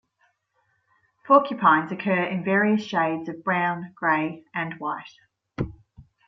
Porcupines occur in various shades of brown, gray, and white.